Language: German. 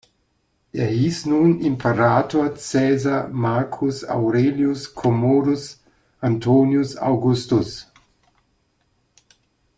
Er hieß nun Imperator Caesar Marcus Aurelius Commodus Antoninus Augustus.